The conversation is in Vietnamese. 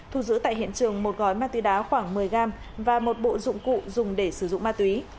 thu giữ tại hiện trường một gói ma túy đá khoảng một mươi gram và một bộ dụng cụ dùng để sử dụng ma túy